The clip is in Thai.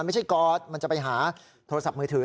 ไม่ใช่กอดมันจะไปหาโทรศัพท์มือถือ